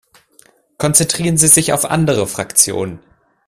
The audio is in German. Konzentrieren Sie sich auf andere Fraktionen.